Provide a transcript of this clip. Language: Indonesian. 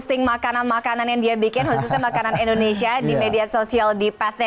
posting makanan makanan yang dia bikin khususnya makanan indonesia di media sosial di pt